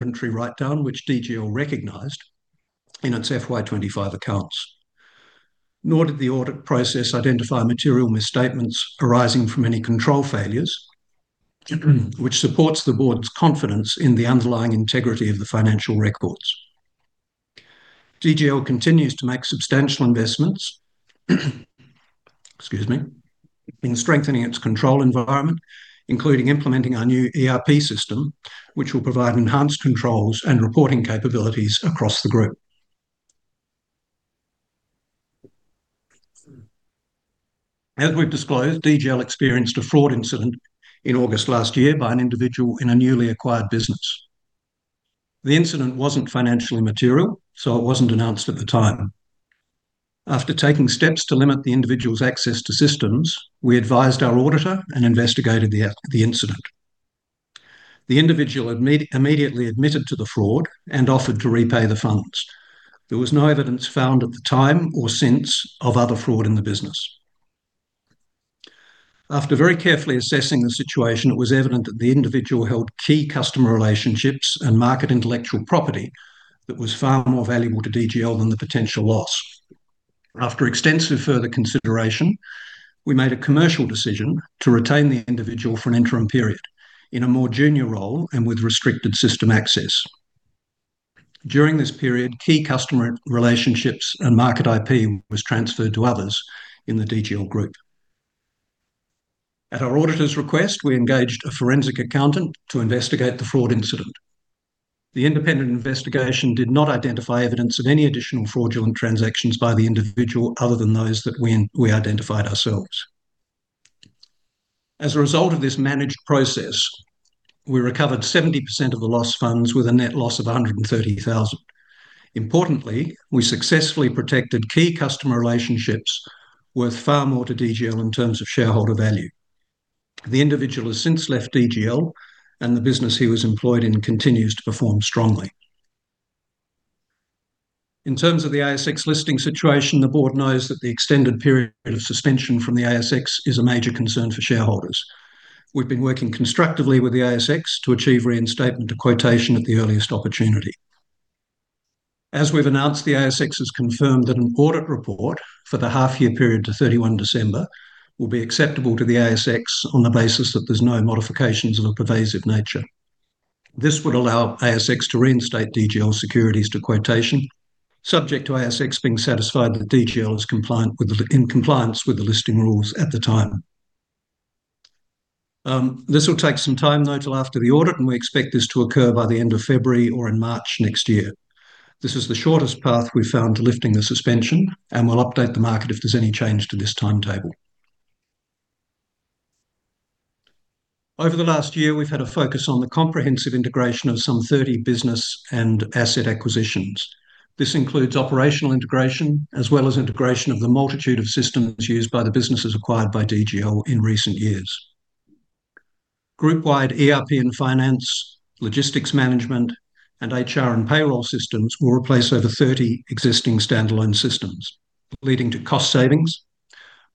Country write-down, which DGL recognized in its FY 2025 accounts. Nor did the audit process identify material misstatements arising from any control failures, which supports the board's confidence in the underlying integrity of the financial records. DGL continues to make substantial investments in strengthening its control environment, including implementing our new ERP system, which will provide enhanced controls and reporting capabilities across the group. As we've disclosed, DGL experienced a fraud incident in August last year by an individual in a newly acquired business. The incident was not financially material, so it was not announced at the time. After taking steps to limit the individual's access to systems, we advised our auditor and investigated the incident. The individual immediately admitted to the fraud and offered to repay the funds. There was no evidence found at the time or since of other fraud in the business. After very carefully assessing the situation, it was evident that the individual held key customer relationships and market intellectual property that was far more valuable to DGL than the potential loss. After extensive further consideration, we made a commercial decision to retain the individual for an interim period in a more junior role and with restricted system access. During this period, key customer relationships and market IP were transferred to others in the DGL Group. At our auditor's request, we engaged a forensic accountant to investigate the fraud incident. The independent investigation did not identify evidence of any additional fraudulent transactions by the individual other than those that we identified ourselves. As a result of this managed process, we recovered 70% of the lost funds with a net loss of 130,000. Importantly, we successfully protected key customer relationships worth far more to DGL in terms of shareholder value. The individual has since left DGL, and the business he was employed in continues to perform strongly. In terms of the ASX listing situation, the board knows that the extended period of suspension from the ASX is a major concern for shareholders. We've been working constructively with the ASX to achieve reinstatement to quotation at the earliest opportunity. As we've announced, the ASX has confirmed that an audit report for the half-year period to 31 December will be acceptable to the ASX on the basis that there's no modifications of a pervasive nature. This would allow ASX to reinstate DGL securities to quotation, subject to ASX being satisfied that DGL is compliant with the listing rules at the time. This will take some time, though, till after the audit, and we expect this to occur by the end of February or in March next year. This is the shortest path we found to lifting the suspension, and we'll update the market if there's any change to this timetable. Over the last year, we've had a focus on the comprehensive integration of some 30 business and asset acquisitions. This includes operational integration as well as integration of the multitude of systems used by the businesses acquired by DGL in recent years. Group-wide ERP and finance, logistics management, and HR and payroll systems will replace over 30 existing standalone systems, leading to cost savings,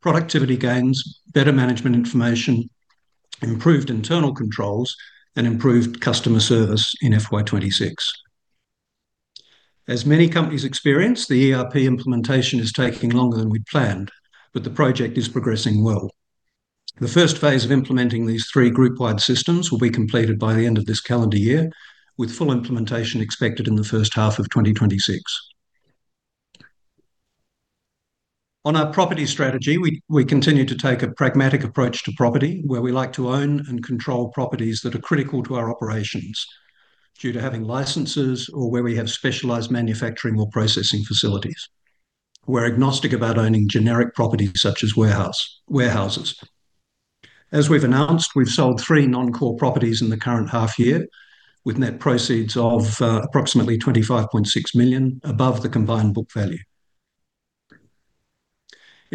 productivity gains, better management information, improved internal controls, and improved customer service in FY 2026. As many companies experience, the ERP implementation is taking longer than we'd planned, but the project is progressing well. The first phase of implementing these three group-wide systems will be completed by the end of this calendar year, with full implementation expected in the first half of 2026. On our property strategy, we continue to take a pragmatic approach to property, where we like to own and control properties that are critical to our operations due to having licenses or where we have specialized manufacturing or processing facilities. We're agnostic about owning generic properties such as warehouses. As we've announced, we've sold three non-core properties in the current half-year, with net proceeds of approximately 25.6 million above the combined book value.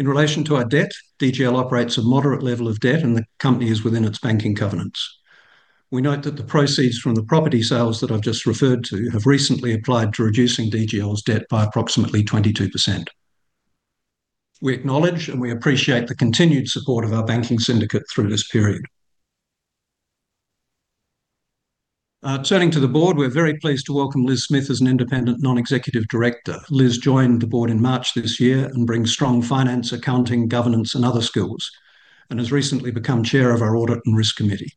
In relation to our debt, DGL operates a moderate level of debt, and the company is within its banking covenants. We note that the proceeds from the property sales that I've just referred to have recently applied to reducing DGL's debt by approximately 22%. We acknowledge and we appreciate the continued support of our banking syndicate through this period. Turning to the board, we're very pleased to welcome Liz Smith as an independent non-executive director. Liz joined the board in March this year and brings strong finance, accounting, governance, and other skills, and has recently become chair of our audit and risk committee.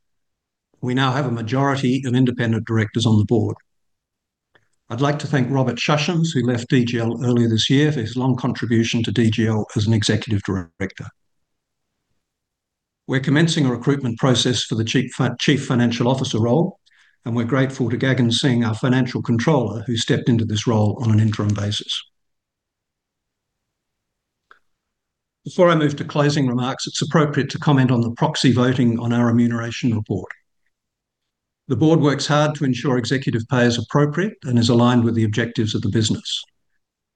We now have a majority of independent directors on the board. I'd like to thank Robert Shusames, who left DGL earlier this year for his long contribution to DGL as an executive director. We're commencing a recruitment process for the chief financial officer role, and we're grateful to Gagan Singh, our financial controller, who stepped into this role on an interim basis. Before I move to closing remarks, it's appropriate to comment on the proxy voting on our remuneration report. The board works hard to ensure executive pay is appropriate and is aligned with the objectives of the business.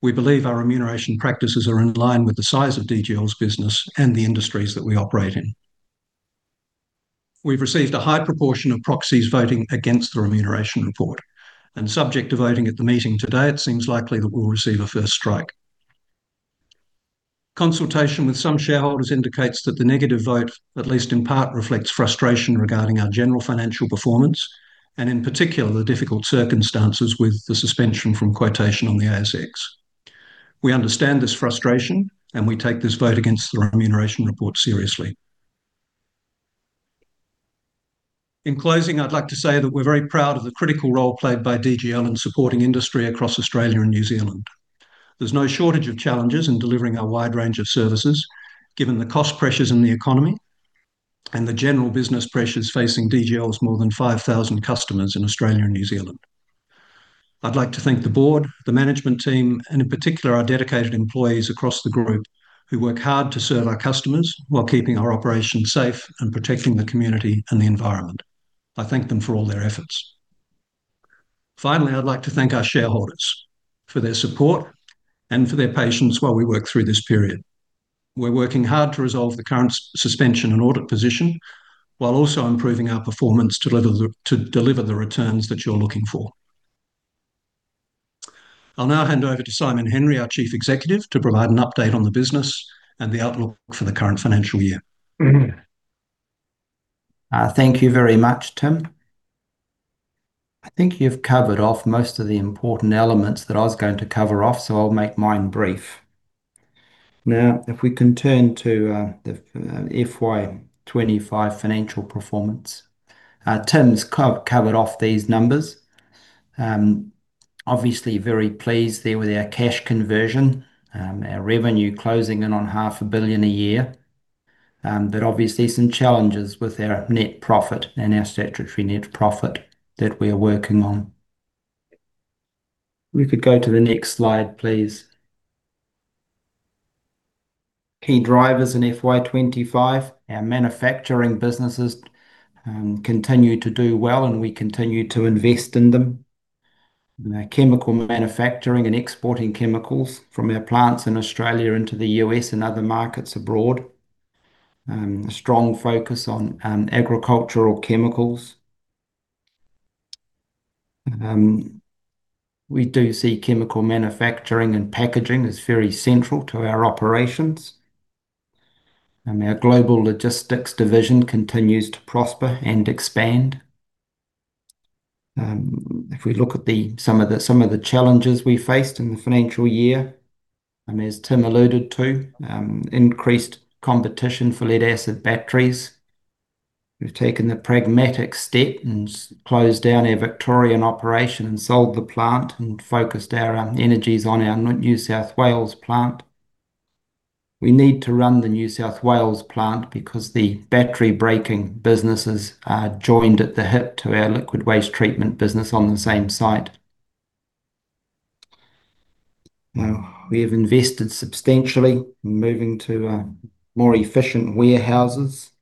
We believe our remuneration practices are in line with the size of DGL's business and the industries that we operate in. We've received a high proportion of proxies voting against the remuneration report, and subject to voting at the meeting today, it seems likely that we'll receive a first strike. Consultation with some shareholders indicates that the negative vote, at least in part, reflects frustration regarding our general financial performance and, in particular, the difficult circumstances with the suspension from quotation on the ASX. We understand this frustration, and we take this vote against the remuneration report seriously. In closing, I'd like to say that we're very proud of the critical role played by DGL in supporting industry across Australia and New Zealand. There's no shortage of challenges in delivering our wide range of services, given the cost pressures in the economy and the general business pressures facing DGL's more than 5,000 customers in Australia and New Zealand. I'd like to thank the board, the management team, and in particular, our dedicated employees across the group who work hard to serve our customers while keeping our operations safe and protecting the community and the environment. I thank them for all their efforts. Finally, I'd like to thank our shareholders for their support and for their patience while we work through this period. We're working hard to resolve the current suspension and audit position while also improving our performance to deliver the returns that you're looking for. I'll now hand over to Simon Henry, our Chief Executive, to provide an update on the business and the outlook for the current financial year. Thank you very much, Tim. I think you've covered off most of the important elements that I was going to cover off, so I'll make mine brief. Now, if we can turn to the FY 2025 financial performance, Tim's covered off these numbers. Obviously, very pleased there with our cash conversion, our revenue closing in on half a billion a year, but obviously some challenges with our net profit and our statutory net profit that we're working on. We could go to the next slide, please. Key drivers in FY 2025, our manufacturing businesses continue to do well, and we continue to invest in them. Chemical manufacturing and exporting chemicals from our plants in Australia into the U.S. and other markets abroad. A strong focus on agricultural chemicals. We do see chemical manufacturing and packaging as very central to our operations. Our global logistics division continues to prosper and expand. If we look at some of the challenges we faced in the financial year, as Tim alluded to, increased competition for lead-acid batteries. We have taken the pragmatic step and closed down our Victorian operation and sold the plant and focused our energies on our New South Wales plant. We need to run the New South Wales plant because the battery breaking businesses are joined at the hip to our liquid waste treatment business on the same site. We have invested substantially, moving to more efficient warehouses.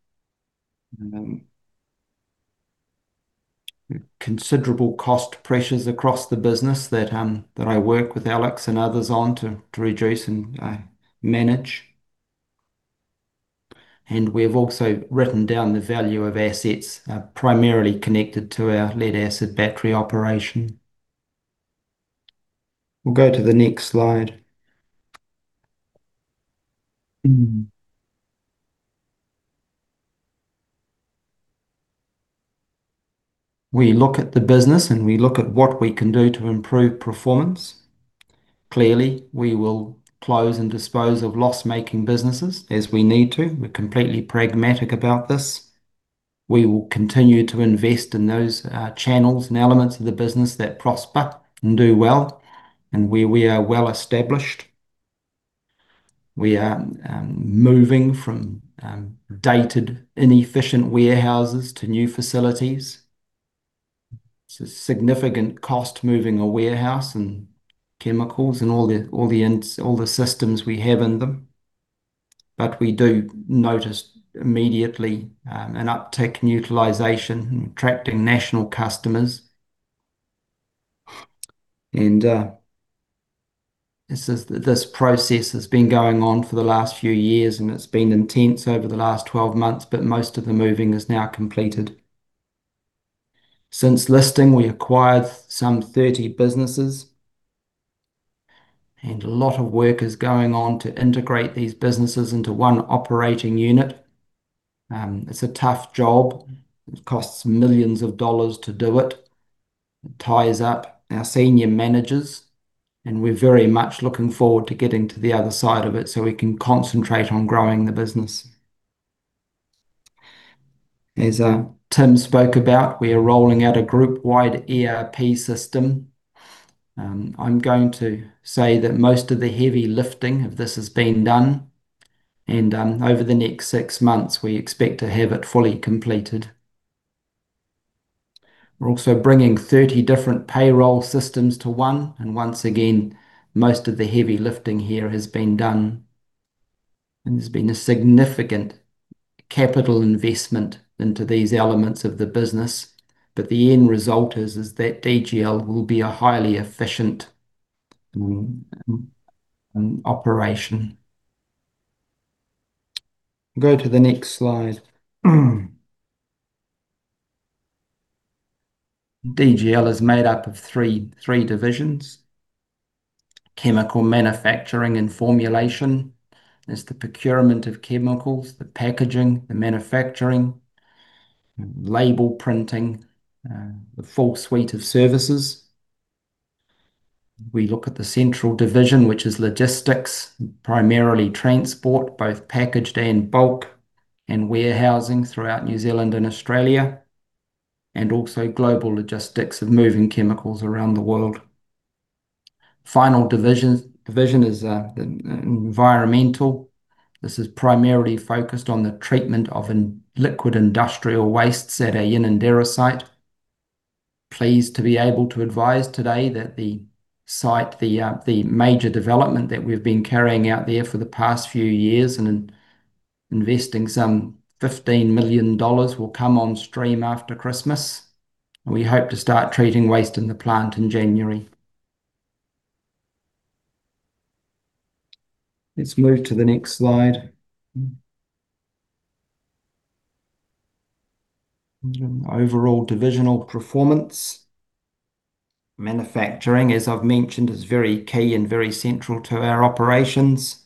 Considerable cost pressures across the business that I work with Alex and others on to reduce and manage. We have also written down the value of assets primarily connected to our lead-acid battery operation. We will go to the next slide. We look at the business, and we look at what we can do to improve performance. Clearly, we will close and dispose of loss-making businesses as we need to. We are completely pragmatic about this. We will continue to invest in those channels and elements of the business that prosper and do well and where we are well established. We are moving from dated, inefficient warehouses to new facilities. It is a significant cost moving a warehouse and chemicals and all the systems we have in them. We do notice immediately an uptick in utilization and attracting national customers. This process has been going on for the last few years, and it has been intense over the last 12 months, but most of the moving is now completed. Since listing, we acquired some 30 businesses, and a lot of work is going on to integrate these businesses into one operating unit. It is a tough job. It costs millions of dollars to do it. It ties up our senior managers, and we're very much looking forward to getting to the other side of it so we can concentrate on growing the business. As Tim spoke about, we are rolling out a group-wide ERP system. I'm going to say that most of the heavy lifting of this has been done, and over the next six months, we expect to have it fully completed. We're also bringing 30 different payroll systems to one, and once again, most of the heavy lifting here has been done. There's been a significant capital investment into these elements of the business, but the end result is that DGL will be a highly efficient operation. Go to the next slide. DGL is made up of three divisions: chemical manufacturing and formulation, there's the procurement of chemicals, the packaging, the manufacturing, label printing, the full suite of services. We look at the central division, which is logistics, primarily transport, both packaged and bulk, and warehousing throughout New Zealand and Australia, and also global logistics of moving chemicals around the world. Final division is environmental. This is primarily focused on the treatment of liquid industrial wastes at our Yennora and Darra site. Pleased to be able to advise today that the major development that we've been carrying out there for the past few years and investing some 15 million dollars will come on stream after Christmas, and we hope to start treating waste in the plant in January. Let's move to the next slide. Overall divisional performance. Manufacturing, as I've mentioned, is very key and very central to our operations.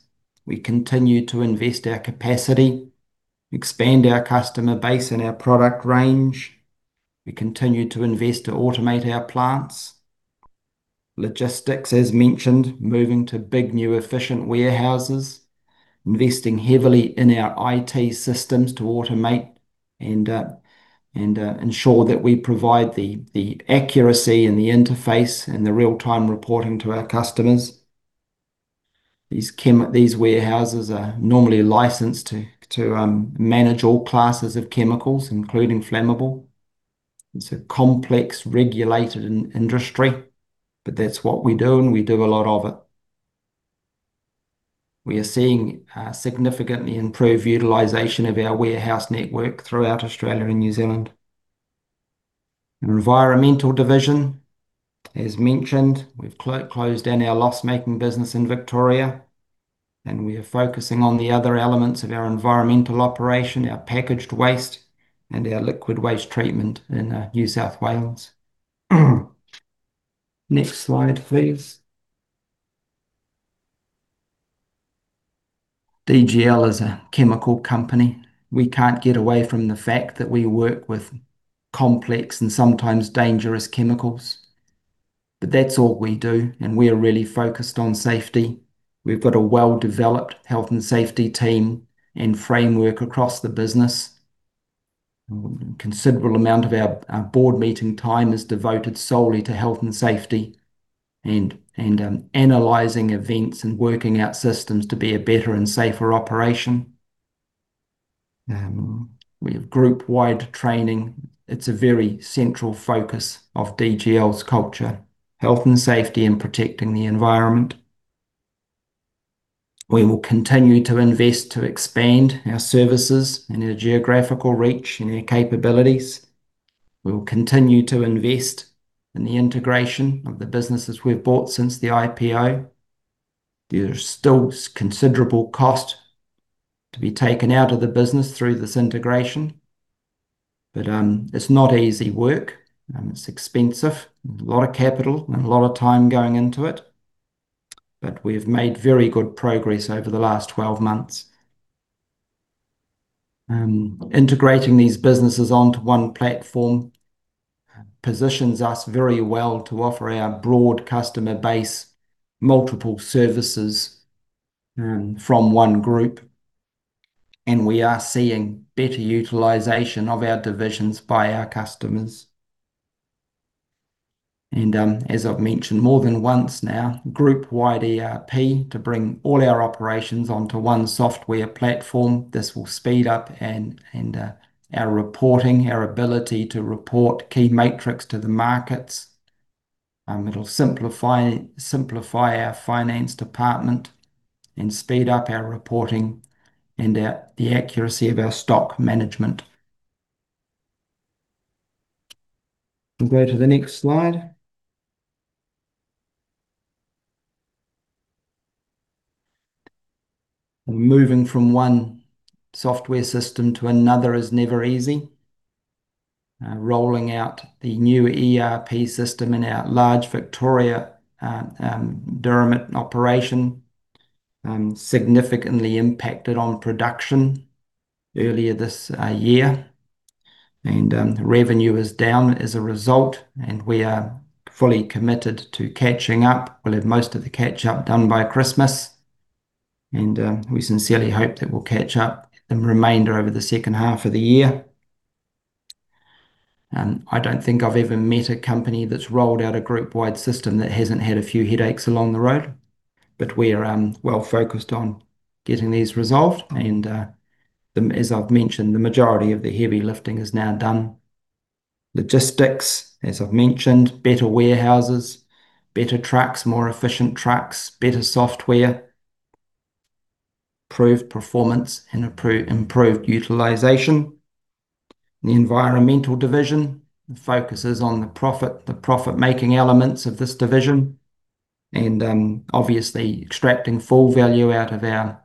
We continue to invest our capacity, expand our customer base and our product range. We continue to invest to automate our plants. Logistics, as mentioned, moving to big, new, efficient warehouses, investing heavily in our IT systems to automate and ensure that we provide the accuracy and the interface and the real-time reporting to our customers. These warehouses are normally licensed to manage all classes of chemicals, including flammable. It's a complex, regulated industry, but that's what we do, and we do a lot of it. We are seeing significantly improved utilization of our warehouse network throughout Australia and New Zealand. Environmental division, as mentioned, we've closed down our loss-making business in Victoria, and we are focusing on the other elements of our environmental operation, our packaged waste, and our liquid waste treatment in New South Wales. Next slide, please. DGL is a chemical company. We can't get away from the fact that we work with complex and sometimes dangerous chemicals, but that's all we do, and we're really focused on safety. We've got a well-developed health and safety team and framework across the business. A considerable amount of our board meeting time is devoted solely to health and safety and analyzing events and working out systems to be a better and safer operation. We have group-wide training. It's a very central focus of DGL's culture, health and safety, and protecting the environment. We will continue to invest to expand our services and our geographical reach and our capabilities. We will continue to invest in the integration of the businesses we've bought since the IPO. There's still considerable cost to be taken out of the business through this integration, but it's not easy work. It's expensive, a lot of capital, and a lot of time going into it, but we've made very good progress over the last 12 months. Integrating these businesses onto one platform positions us very well to offer our broad customer base multiple services from one group, and we are seeing better utilization of our divisions by our customers. As I've mentioned more than once now, group-wide ERP to bring all our operations onto one software platform. This will speed up our reporting, our ability to report key metrics to the markets. It will simplify our finance department and speed up our reporting and the accuracy of our stock management. We will go to the next slide. Moving from one software system to another is never easy. Rolling out the new ERP system in our large Victoria-Darra operation significantly impacted on production earlier this year, and revenue is down as a result, and we are fully committed to catching up. We'll have most of the catch-up done by Christmas, and we sincerely hope that we will catch up the remainder over the second half of the year. I do not think I have ever met a company that has rolled out a group-wide system that has not had a few headaches along the road, but we are well focused on getting these resolved. As I have mentioned, the majority of the heavy lifting is now done. Logistics, as I have mentioned, better warehouses, better trucks, more efficient trucks, better software, improved performance, and improved utilization. The environmental division focuses on the profit-making elements of this division and obviously extracting full value out of our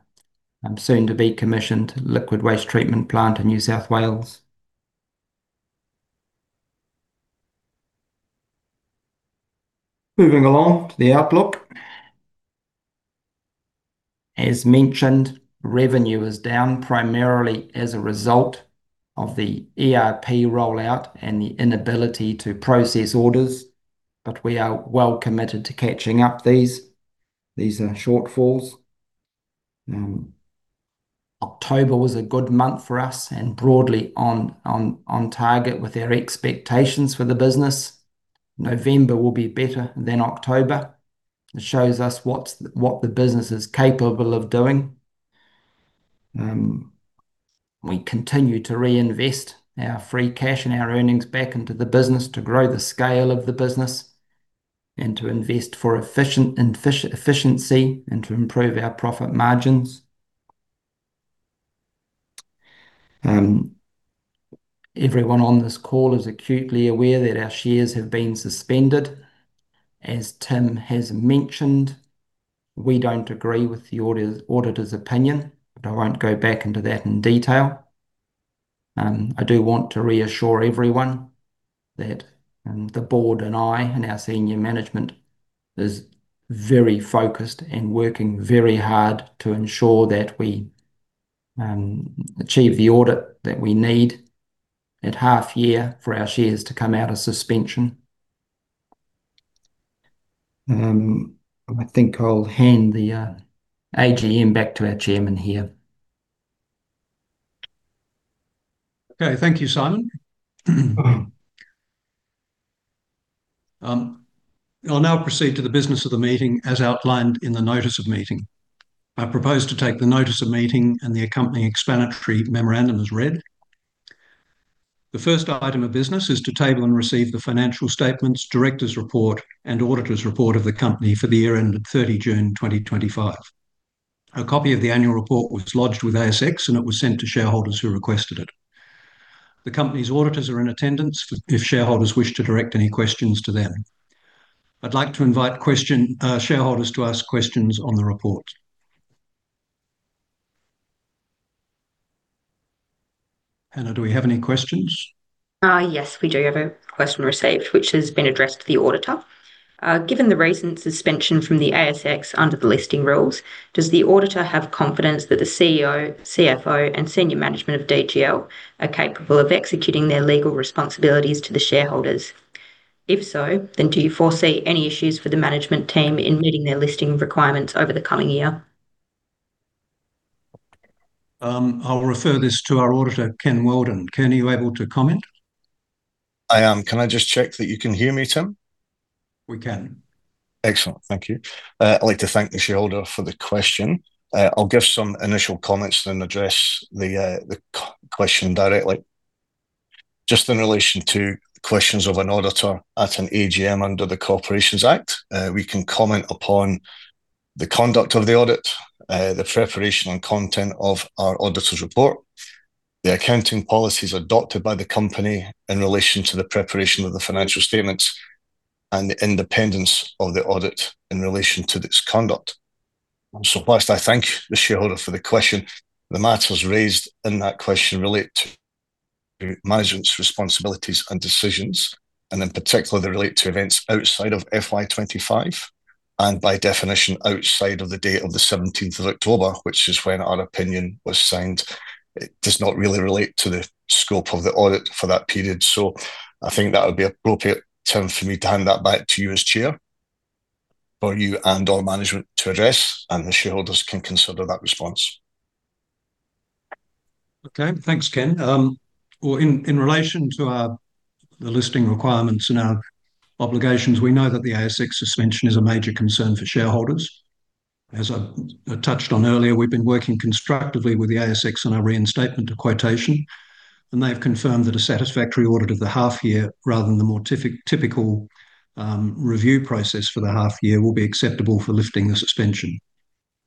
soon-to-be commissioned liquid waste treatment plant in New South Wales. Moving along to the outlook. As mentioned, revenue is down primarily as a result of the ERP rollout and the inability to process orders, but we are well committed to catching up these. These are shortfalls. October was a good month for us and broadly on target with our expectations for the business. November will be better than October. It shows us what the business is capable of doing. We continue to reinvest our free cash and our earnings back into the business to grow the scale of the business and to invest for efficiency and to improve our profit margins. Everyone on this call is acutely aware that our shares have been suspended. As Tim has mentioned, we do not agree with the auditor's opinion, but I will not go back into that in detail. I do want to reassure everyone that the board and I and our senior management are very focused and working very hard to ensure that we achieve the audit that we need at half-year for our shares to come out of suspension. I think I'll hand the AGM back to our Chairman here. Okay, thank you, Simon. I'll now proceed to the business of the meeting as outlined in the notice of meeting. I propose to take the notice of meeting and the accompanying explanatory memorandum as read. The first item of business is to table and receive the financial statements, Director's report, and Auditor's report of the company for the year ended 30 June 2025. A copy of the annual report was lodged with ASX, and it was sent to shareholders who requested it. The company's auditors are in attendance if shareholders wish to direct any questions to them. I'd like to invite shareholders to ask questions on the report. Hanna, do we have any questions? Yes, we do have a question received, which has been addressed to the auditor. Given the recent suspension from the ASX under the listing rules, does the auditor have confidence that the CEO, CFO, and senior management of DGL are capable of executing their legal responsibilities to the shareholders? If so, then do you foresee any issues for the management team in meeting their listing requirements over the coming year? I'll refer this to our auditor, Ken Weldon. Ken, are you able to comment? I am. Can I just check that you can hear me, Tim? We can. Excellent. Thank you. I'd like to thank the shareholder for the question. I'll give some initial comments and then address the question directly. Just in relation to questions of an auditor at an AGM under the Corporations Act, we can comment upon the conduct of the audit, the preparation and content of our auditor's report, the accounting policies adopted by the company in relation to the preparation of the financial statements, and the independence of the audit in relation to its conduct. I'm surprised I thank the shareholder for the question. The matters raised in that question relate to management's responsibilities and decisions, and in particular, they relate to events outside of FY 2025 and by definition outside of the date of the 17th of October, which is when our opinion was signed. It does not really relate to the scope of the audit for that period, so I think that would be appropriate, Tim, for me to hand that back to you as chair for you and all management to address, and the shareholders can consider that response. Okay, thanks, Ken. In relation to the listing requirements and our obligations, we know that the ASX suspension is a major concern for shareholders. As I touched on earlier, we've been working constructively with the ASX on our reinstatement to quotation, and they've confirmed that a satisfactory audit of the half-year, rather than the more typical review process for the half-year, will be acceptable for lifting the suspension.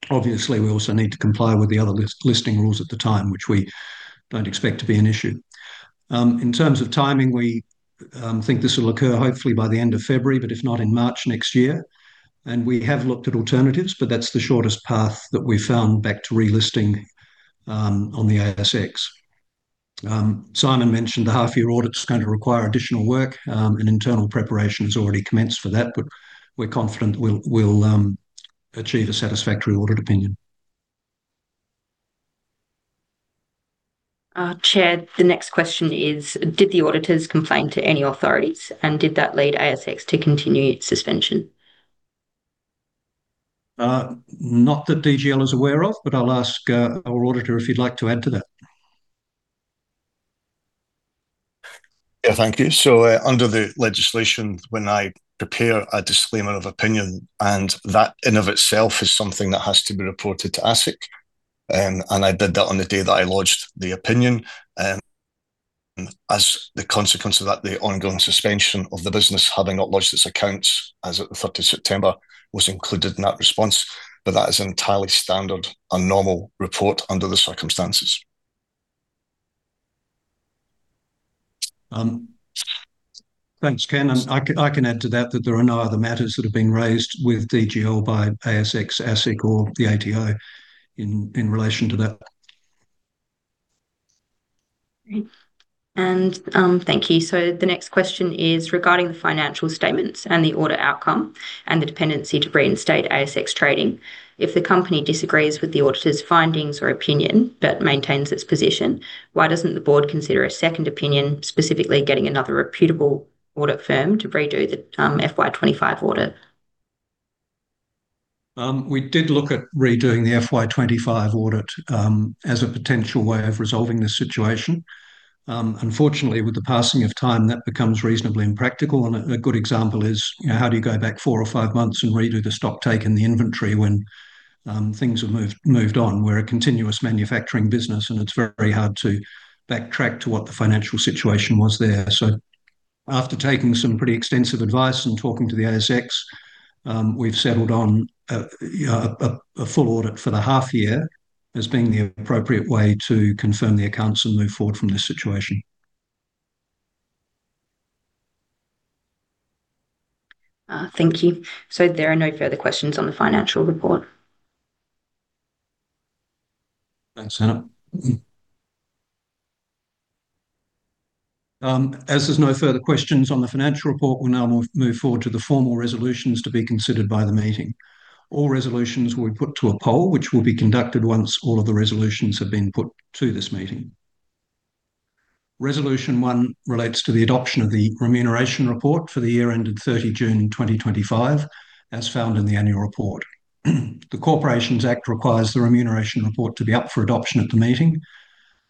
Obviously, we also need to comply with the other listing rules at the time, which we don't expect to be an issue. In terms of timing, we think this will occur hopefully by the end of February, but if not, in March next year, and we have looked at alternatives, but that's the shortest path that we found back to relisting on the ASX. Simon mentioned the half-year audit is going to require additional work, and internal preparation has already commenced for that, but we're confident we'll achieve a satisfactory audit opinion. Chair, the next question is, did the auditors complain to any authorities, and did that lead ASX to continue suspension? Not that DGL is aware of, but I'll ask our auditor if he'd like to add to that. Yeah, thank you. Under the legislation, when I prepare a disclaimer of opinion, and that in and of itself is something that has to be reported to ASIC, and I did that on the day that I lodged the opinion. As the consequence of that, the ongoing suspension of the business, having not lodged its accounts as of the 30th of September, was included in that response, but that is an entirely standard and normal report under the circumstances. Thanks, Ken. I can add to that that there are no other matters that have been raised with DGL by ASX, ASIC, or the ATO in relation to that. Thank you. The next question is regarding the financial statements and the audit outcome and the dependency to reinstate ASX trading. If the company disagrees with the auditor's findings or opinion but maintains its position, why does the board not consider a second opinion, specifically getting another reputable audit firm to redo the FY 2025 audit? We did look at redoing the FY 2025 audit as a potential way of resolving this situation. Unfortunately, with the passing of time, that becomes reasonably impractical, and a good example is how do you go back four or five months and redo the stock take and the inventory when things have moved on? We're a continuous manufacturing business, and it's very hard to backtrack to what the financial situation was there. After taking some pretty extensive advice and talking to the ASX, we've settled on a full audit for the half-year as being the appropriate way to confirm the accounts and move forward from this situation. Thank you. There are no further questions on the financial report. Thanks, Hanna. As there's no further questions on the financial report, we'll now move forward to the formal resolutions to be considered by the meeting. All resolutions will be put to a poll, which will be conducted once all of the resolutions have been put to this meeting. Resolution one relates to the adoption of the remuneration report for the year ended 30 June 2025, as found in the annual report. The Corporations Act requires the remuneration report to be up for adoption at the meeting.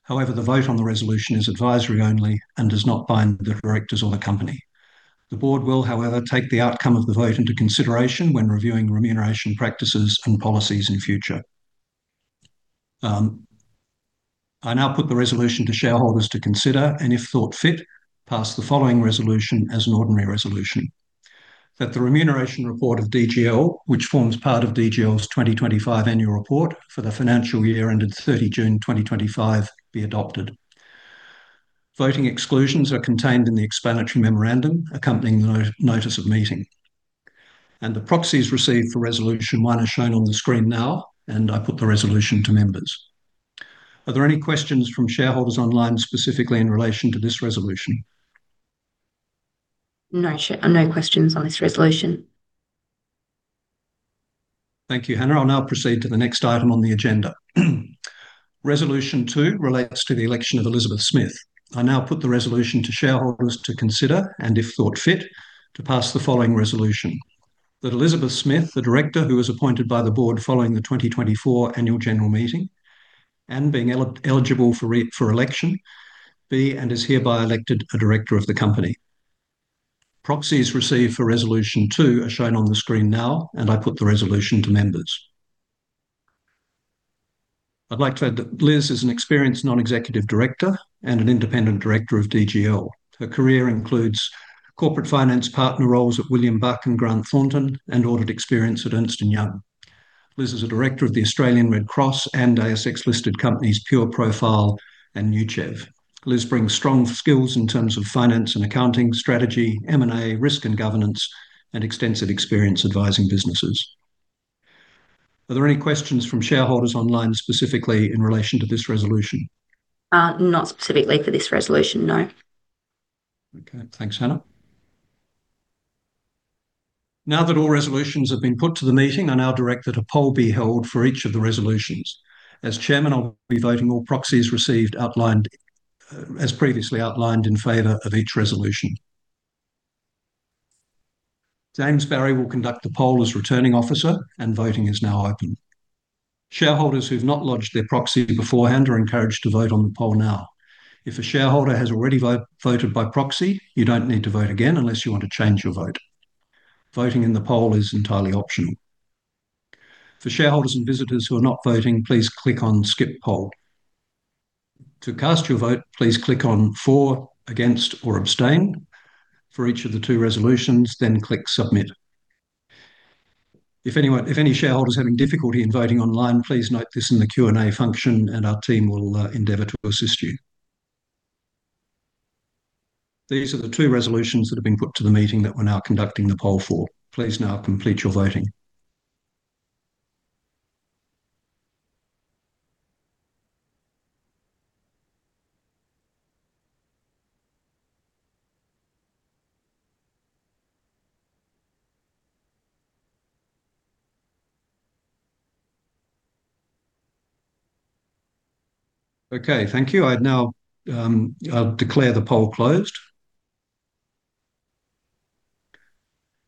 However, the vote on the resolution is advisory only and does not bind the directors or the company. The board will, however, take the outcome of the vote into consideration when reviewing remuneration practices and policies in future. I now put the resolution to shareholders to consider, and if thought fit, pass the following resolution as an ordinary resolution: that the remuneration report of DGL, which forms part of DGL's 2025 annual report for the financial year ended 30 June 2025, be adopted. Voting exclusions are contained in the explanatory memorandum accompanying the notice of meeting. The proxies received for resolution one are shown on the screen now, and I put the resolution to members. Are there any questions from shareholders online, specifically in relation to this resolution? No, no questions on this resolution. Thank you, Hanna. I will now proceed to the next item on the agenda. Resolution two relates to the election of Elizabeth Smith. I now put the resolution to shareholders to consider, and if thought fit, to pass the following resolution: that Elizabeth Smith, the director who was appointed by the board following the 2024 annual general meeting and being eligible for election, be and is hereby elected a director of the company. Proxies received for resolution two are shown on the screen now, and I put the resolution to members. I'd like to add that Liz is an experienced non-executive director and an independent director of DGL. Her career includes corporate finance partner roles at William Buck and Grant Thornton and audit experience at Ernst & Young. Liz is a director of the Australian Red Cross and ASX-listed companies Pure Profile and Nuchev. Liz brings strong skills in terms of finance and accounting, strategy, M&A, risk and governance, and extensive experience advising businesses. Are there any questions from shareholders online, specifically in relation to this resolution? Not specifically for this resolution, no. Okay, thanks, Hanna. Now that all resolutions have been put to the meeting, I now direct that a poll be held for each of the resolutions. As Chairman, I'll be voting all proxies received as previously outlined in favor of each resolution. James Barry will conduct the poll as returning officer, and voting is now open. Shareholders who have not lodged their proxy beforehand are encouraged to vote on the poll now. If a shareholder has already voted by proxy, you do not need to vote again unless you want to change your vote. Voting in the poll is entirely optional. For shareholders and visitors who are not voting, please click on Skip Poll. To cast your vote, please click on For, Against, or Abstain for each of the two resolutions, then click Submit. If any shareholders are having difficulty in voting online, please note this in the Q&A function, and our team will endeavor to assist you. These are the two resolutions that have been put to the meeting that we are now conducting the poll for. Please now complete your voting. Okay, thank you. I will declare the poll closed.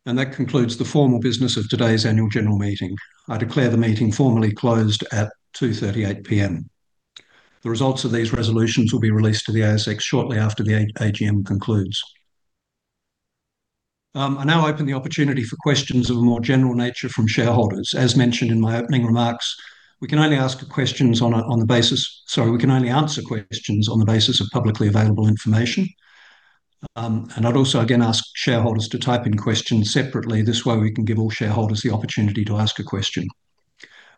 That concludes the formal business of today's annual general meeting. I declare the meeting formally closed at 2:38 P.M. The results of these resolutions will be released to the ASX shortly after the AGM concludes. I now open the opportunity for questions of a more general nature from shareholders. As mentioned in my opening remarks, we can only answer questions on the basis of publicly available information. I also again ask shareholders to type in questions separately. This way, we can give all shareholders the opportunity to ask a question.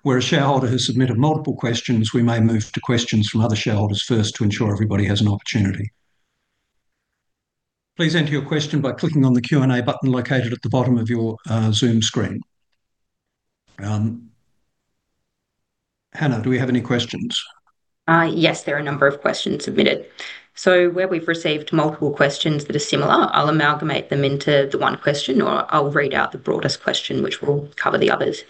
Where a shareholder has submitted multiple questions, we may move to questions from other shareholders first to ensure everybody has an opportunity. Please enter your question by clicking on the Q&A button located at the bottom of your Zoom screen. Hanna, do we have any questions? Yes, there are a number of questions submitted. Where we've received multiple questions that are similar, I'll amalgamate them into the one question, or I'll read out the broadest question, which will cover the others.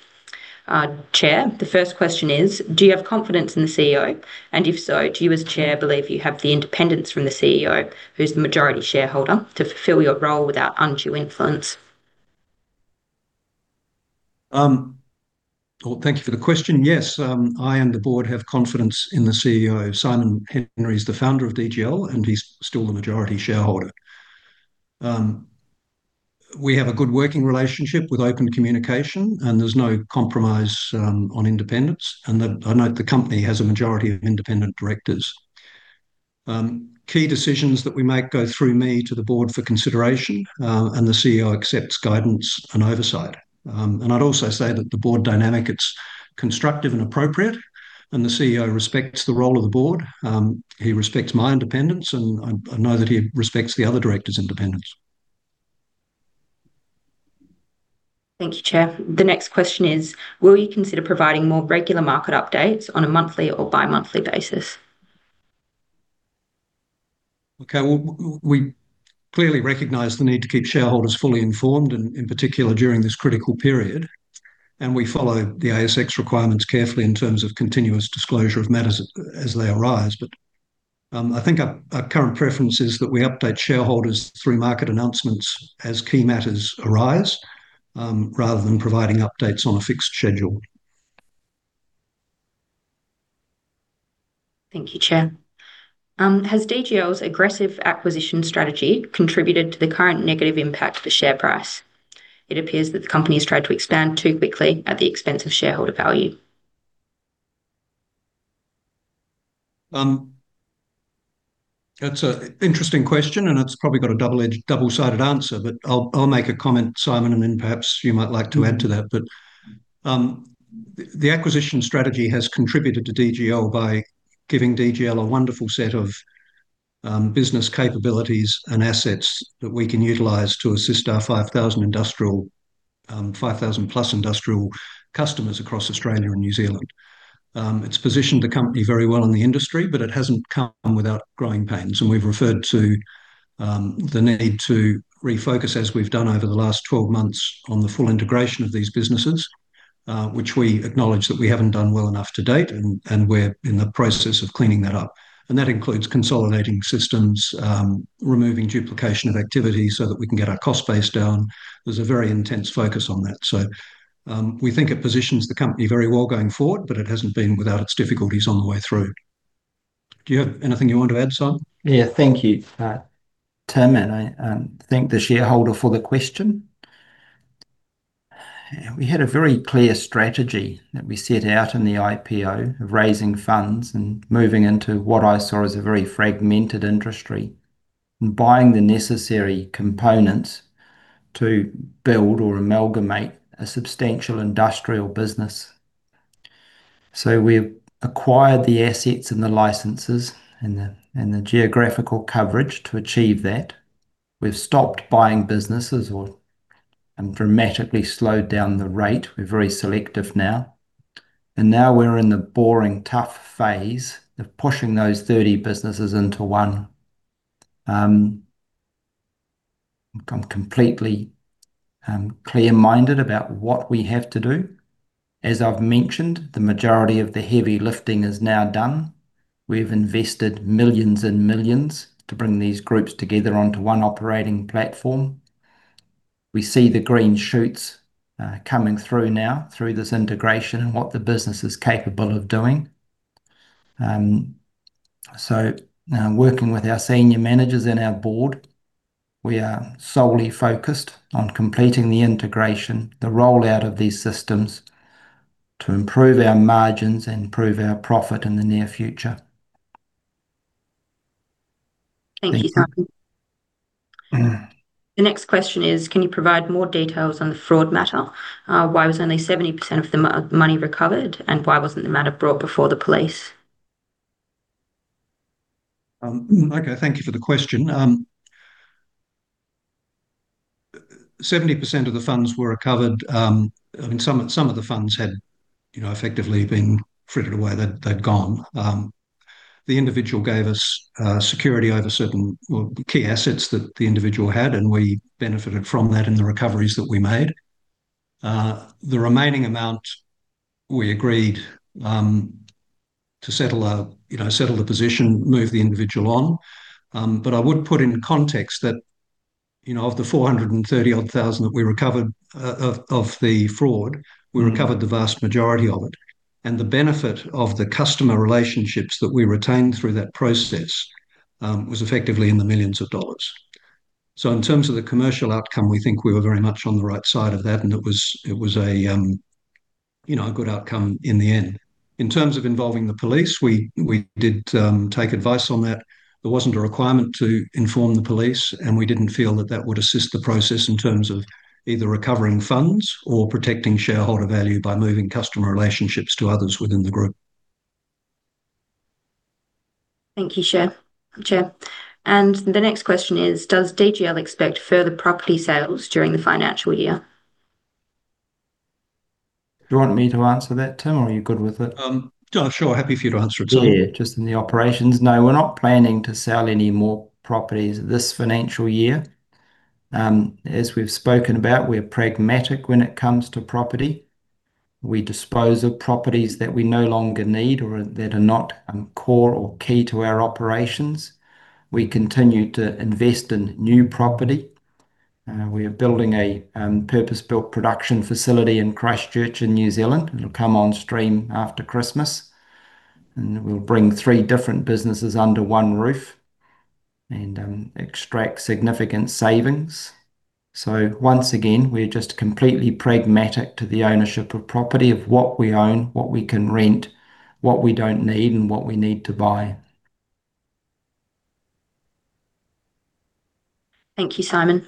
Chair, the first question is, do you have confidence in the CEO? And if so, do you as chair believe you have the independence from the CEO, who's the majority shareholder, to fulfill your role without undue influence? Thank you for the question. Yes, I and the board have confidence in the CEO. Simon Henry is the founder of DGL, and he's still the majority shareholder. We have a good working relationship with open communication, and there's no compromise on independence. I note the company has a majority of independent directors. Key decisions that we make go through me to the board for consideration, and the CEO accepts guidance and oversight. I'd also say that the board dynamic is constructive and appropriate, and the CEO respects the role of the board. He respects my independence, and I know that he respects the other directors' independence. Thank you, Chair. The next question is, will you consider providing more regular market updates on a monthly or bi-monthly basis? We clearly recognize the need to keep shareholders fully informed, and in particular during this critical period. We follow the ASX requirements carefully in terms of continuous disclosure of matters as they arise. I think our current preference is that we update shareholders through market announcements as key matters arise, rather than providing updates on a fixed schedule. Thank you, Chair. Has DGL's aggressive acquisition strategy contributed to the current negative impact of the share price? It appears that the company has tried to expand too quickly at the expense of shareholder value. That's an interesting question, and it's probably got a double-sided answer, but I'll make a comment, Simon, and then perhaps you might like to add to that. The acquisition strategy has contributed to DGL by giving DGL a wonderful set of business capabilities and assets that we can utilize to assist our 5,000+ industrial customers across Australia and New Zealand. It's positioned the company very well in the industry, but it hasn't come without growing pains. We have referred to the need to refocus, as we've done over the last 12 months, on the full integration of these businesses, which we acknowledge that we haven't done well enough to date, and we're in the process of cleaning that up. That includes consolidating systems, removing duplication of activity so that we can get our cost base down. There is a very intense focus on that. We think it positions the company very well going forward, but it has not been without its difficulties on the way through. Do you have anything you want to add, Simon? Thank you, Tim. I thank the shareholder for the question. We had a very clear strategy that we set out in the IPO of raising funds and moving into what I saw as a very fragmented industry and buying the necessary components to build or amalgamate a substantial industrial business. We have acquired the assets and the licenses and the geographical coverage to achieve that. We have stopped buying businesses and dramatically slowed down the rate. We are very selective now. Now we're in the boring, tough phase of pushing those 30 businesses into one. I'm completely clear-minded about what we have to do. As I've mentioned, the majority of the heavy lifting is now done. We've invested millions and millions to bring these groups together onto one operating platform. We see the green shoots coming through now through this integration and what the business is capable of doing. Working with our senior managers and our board, we are solely focused on completing the integration, the rollout of these systems to improve our margins and improve our profit in the near future. Thank you, Simon. The next question is, can you provide more details on the fraud matter? Why was only 70% of the money recovered, and why wasn't the matter brought before the police? Thank you for the question. 70% of the funds were recovered. I mean, some of the funds had effectively been frittered away. They'd gone. The individual gave us security over certain key assets that the individual had, and we benefited from that in the recoveries that we made. The remaining amount, we agreed to settle the position, move the individual on. I would put in context that of the 430-odd thousand that we recovered of the fraud, we recovered the vast majority of it. The benefit of the customer relationships that we retained through that process was effectively in the millions of dollars. In terms of the commercial outcome, we think we were very much on the right side of that, and it was a good outcome in the end. In terms of involving the police, we did take advice on that. There was not a requirement to inform the police, and we did not feel that that would assist the process in terms of either recovering funds or protecting shareholder value by moving customer relationships to others within the group. Thank you, Chair. The next question is, does DGL expect further property sales during the financial year? Do you want me to answer that, Tim, or are you good with it? Sure, happy for you to answer it. Just in the operations, no, we are not planning to sell any more properties this financial year. As we have spoken about, we are pragmatic when it comes to property. We dispose of properties that we no longer need or that are not core or key to our operations. We continue to invest in new property. We are building a purpose-built production facility in Christchurch in New Zealand. It will come on stream after Christmas. We will bring three different businesses under one roof and extract significant savings. Once again, we are just completely pragmatic to the ownership of property, of what we own, what we can rent, what we do not need, and what we need to buy. Thank you, Simon.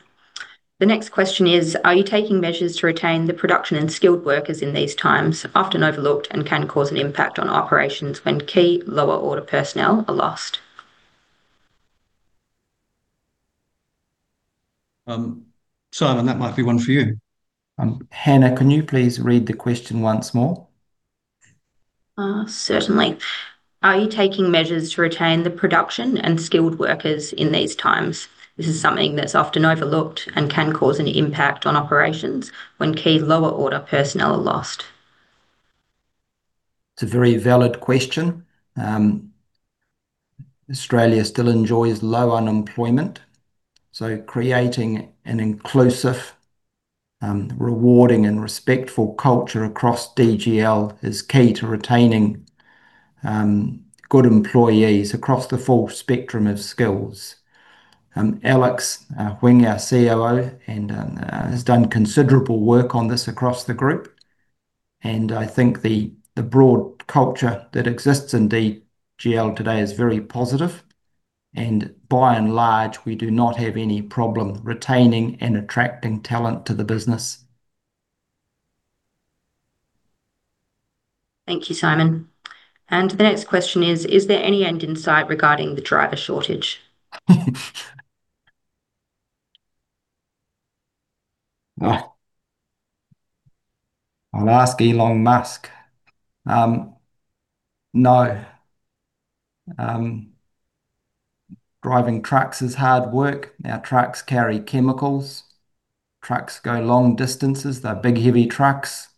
The next question is, are you taking measures to retain the production and skilled workers in these times, often overlooked and can cause an impact on operations when key lower-order personnel are lost? Simon, that might be one for you. Hanna, can you please read the question once more? Certainly. Are you taking measures to retain the production and skilled workers in these times? This is something that is often overlooked and can cause an impact on operations when key lower-order personnel are lost. It is a very valid question. Australia still enjoys low unemployment. Creating an inclusive, rewarding, and respectful culture across DGL is key to retaining good employees across the full spectrum of skills. Alex Wing, our COO, has done considerable work on this across the group. I think the broad culture that exists in DGL today is very positive. By and large, we do not have any problem retaining and attracting talent to the business. Thank you, Simon. The next question is, is there any end in sight regarding the driver shortage? I'll ask Elon Musk. No. Driving trucks is hard work. Our trucks carry chemicals. Trucks go long distances. They're big, heavy trucks.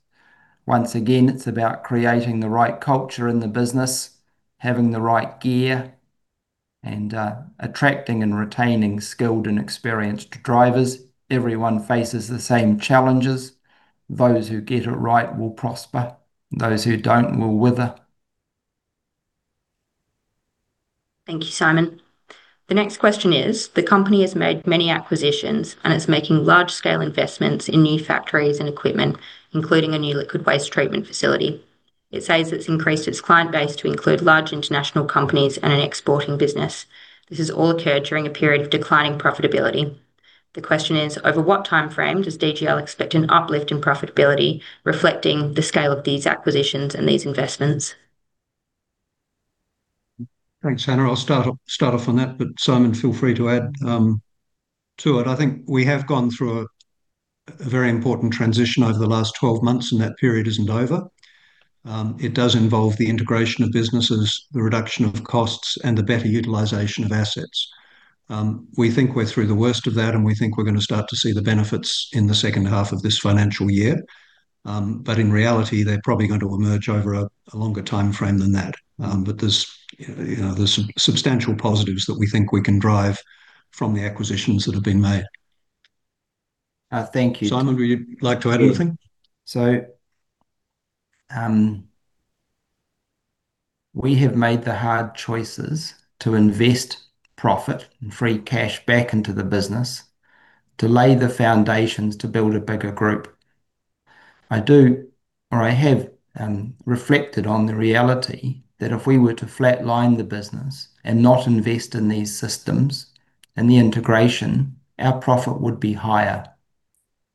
Once again, it's about creating the right culture in the business, having the right gear, and attracting and retaining skilled and experienced drivers. Everyone faces the same challenges. Those who get it right will prosper. Those who don't will wither. Thank you, Simon. The next question is, the company has made many acquisitions, and it's making large-scale investments in new factories and equipment, including a new liquid waste treatment facility. It says it's increased its client base to include large international companies and an exporting business. This has all occurred during a period of declining profitability. The question is, over what timeframe does DGL expect an uplift in profitability reflecting the scale of these acquisitions and these investments? Thanks, Hanna. I'll start off on that. Simon, feel free to add to it. I think we have gone through a very important transition over the last 12 months, and that period isn't over. It does involve the integration of businesses, the reduction of costs, and the better utilisation of assets. We think we're through the worst of that, and we think we're going to start to see the benefits in the second half of this financial year. In reality, they're probably going to emerge over a longer timeframe than that. There are substantial positives that we think we can drive from the acquisitions that have been made. Thank you. Simon, would you like to add anything? We have made the hard choices to invest profit and free cash back into the business, to lay the foundations to build a bigger group. I have reflected on the reality that if we were to flatline the business and not invest in these systems and the integration, our profit would be higher.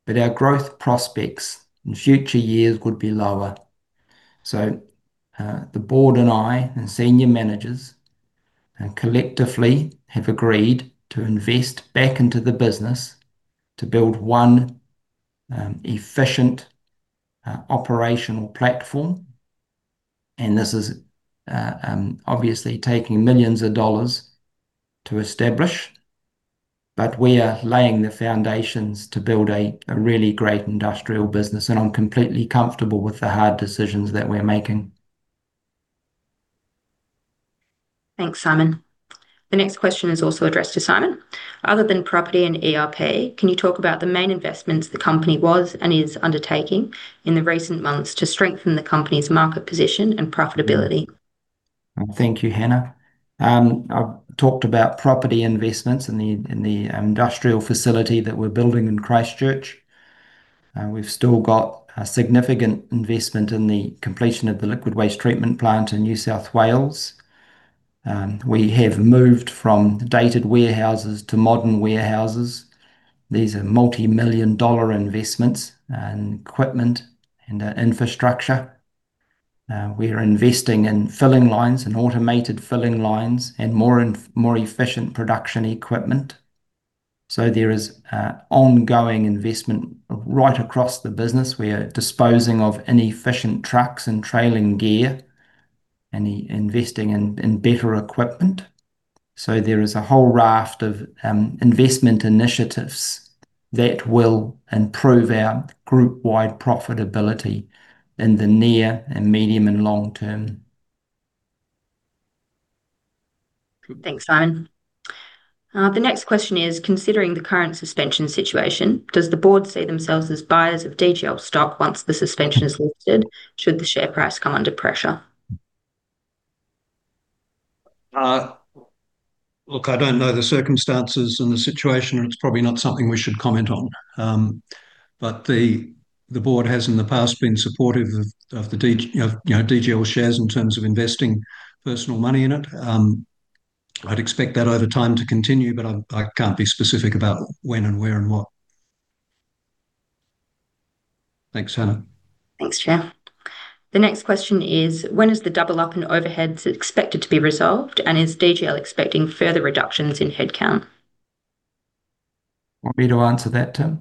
Our growth prospects in future years would be lower. The board and I and senior managers collectively have agreed to invest back into the business to build one efficient operational platform. This is obviously taking millions of dollars to establish. We are laying the foundations to build a really great industrial business. I'm completely comfortable with the hard decisions that we're making. Thanks, Simon. The next question is also addressed to Simon. Other than property and ERP, can you talk about the main investments the company was and is undertaking in the recent months to strengthen the company's market position and profitability? Thank you, Hanna. I've talked about property investments and the industrial facility that we're building in Christchurch. We've still got a significant investment in the completion of the liquid waste treatment plant in New South Wales. We have moved from dated warehouses to modern warehouses. These are multi-million dollar investments in equipment and infrastructure. We are investing in filling lines and automated filling lines and more efficient production equipment. There is ongoing investment right across the business. We are disposing of inefficient trucks and trailing gear and investing in better equipment. There is a whole raft of investment initiatives that will improve our group-wide profitability in the near and medium and long term. Thanks, Simon. The next question is, considering the current suspension situation, does the board see themselves as buyers of DGL stock once the suspension is lifted? Should the share price come under pressure? Look, I do not know the circumstances and the situation, and it is probably not something we should comment on. The board has in the past been supportive of DGL shares in terms of investing personal money in it. I'd expect that over time to continue, but I can't be specific about when and where and what. Thanks, Hanna. Thanks, Chair. The next question is, when is the double-up and overhead expected to be resolved, and is DGL expecting further reductions in headcount? Want me to answer that, Tim?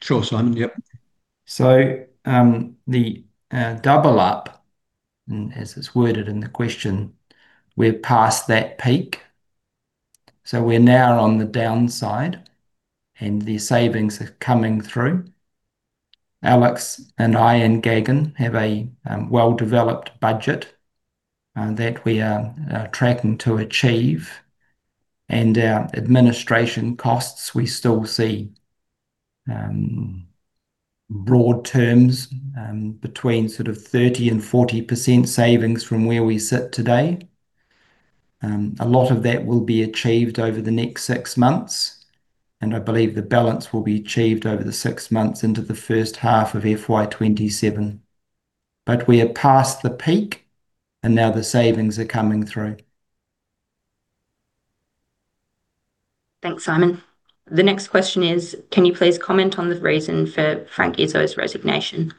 Sure, Simon. Yep. The double-up, as it's worded in the question, we're past that peak. We're now on the downside, and the savings are coming through. Alex and I and Gagan have a well-developed budget that we are tracking to achieve. Administration costs, we still see broad terms between 30%-40% savings from where we sit today. A lot of that will be achieved over the next six months. I believe the balance will be achieved over the six months into the first half of FY 2027. We are past the peak, and now the savings are coming through. Thanks, Simon. The next question is, can you please comment on the reason for Frank Izzo's resignation?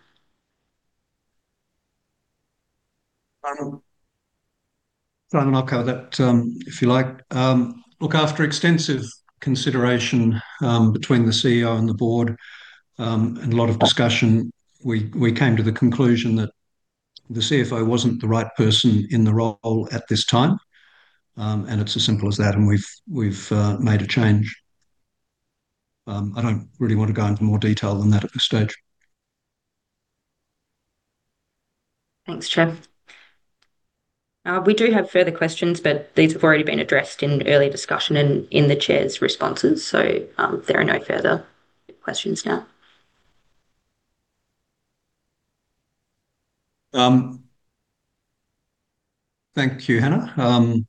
Simon, I'll cover that if you like. Look, after extensive consideration between the CEO and the board and a lot of discussion, we came to the conclusion that the CFO wasn't the right person in the role at this time. It's as simple as that, and we've made a change. I don't really want to go into more detail than that at this stage. Thanks, Chair. We do have further questions, but these have already been addressed in early discussion and in the chair's responses. There are no further questions now. Thank you, Hanna. Just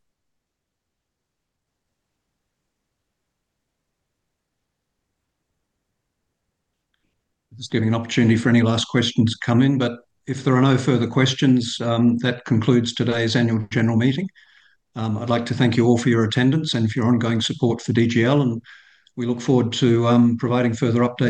giving an opportunity for any last questions to come in. If there are no further questions, that concludes today's annual general meeting. I'd like to thank you all for your attendance and for your ongoing support for DGL. We look forward to providing further updates.